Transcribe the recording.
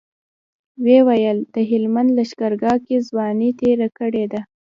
ويې ويل د هلمند لښکرګاه کې ځواني تېره کړې ده.